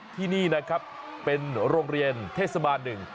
ที่นี่นะครับเป็นโรงเรียนเทศบาลหนึ่ง